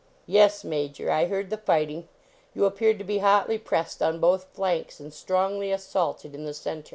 " Yes, Major; I heard the fighting. You appeared to be hotly pressed on both flanks and strongly assaulted in the center."